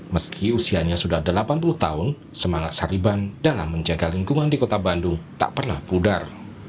meski usianya sudah delapan puluh tahun semangat sariban dalam menjaga lingkungan di kota bandung tak pernah pudar